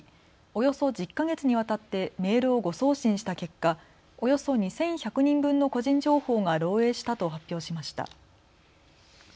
およそ１０か月にわたってメールを誤送信した結果、およそ２１００人分の個人情報が漏えいしたと発表しました。